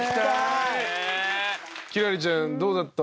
輝星ちゃんどうだった？